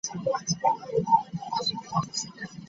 Jjajjaawo ne Elizabeti ne bannyoko bakutumidde nnyo.